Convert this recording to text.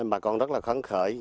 bà con rất là khấn khởi